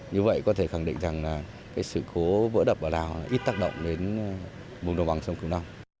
như vậy có thể khẳng định rằng sự cố vỡ đập ở lào ít tác động đến mục đồng bằng sông kiều long